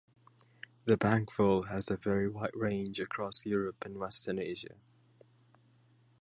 The bank vole has a very wide range across Europe and western Asia.